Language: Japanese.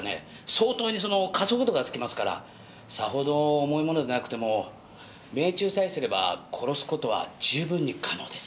相当にその加速度がつきますからさほど重い物でなくても命中さえすれば殺す事は十分に可能です。